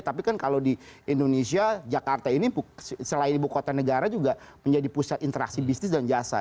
tapi kan kalau di indonesia jakarta ini selain ibu kota negara juga menjadi pusat interaksi bisnis dan jasa